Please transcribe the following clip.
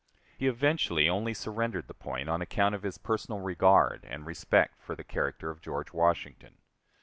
He eventually only surrendered the point on account of his personal regard and respect for the character of George Washington.